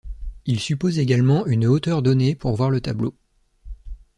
Il suppose également une hauteur donnée pour voir le tableau.